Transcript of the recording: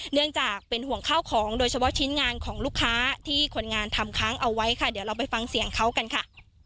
เนื่องจากเป็นห่วงข้าวของโดยเฉพาะชิ้นงานของลูกค้าที่คนงานทำค้างเอาไว้ค่ะเดี๋ยวเราไปฟังเสียงเขากันค่ะ